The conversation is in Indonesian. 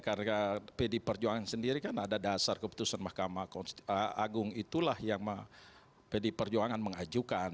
karena pdi perjuangan sendiri kan ada dasar keputusan mahkamah agung itulah yang pdi perjuangan mengajukan